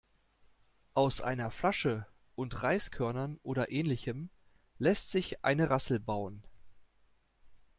Aus einer Flasche und Reiskörnern oder Ähnlichem lässt sich eine Rassel bauen.